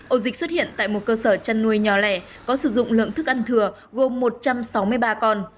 ổ dịch xuất hiện tại một cơ sở chăn nuôi nhỏ lẻ có sử dụng lượng thức ăn thừa gồm một trăm sáu mươi ba con